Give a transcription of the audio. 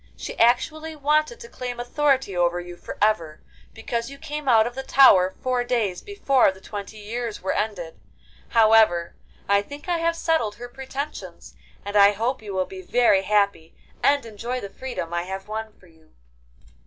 she actually wanted to claim authority over you for ever, because you came out of the tower four days before the twenty years were ended. However, I think I have settled her pretensions, and I hope you will be very happy and enjoy the freedom I have won for you.